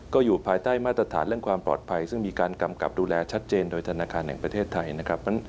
ก็อยู่ภายใต้มาตรฐานเรื่องความปลอดภัยซึ่งมีการกำกับดูแลชัดเจนโดยธนาคารแห่งประเทศไทยนะครับ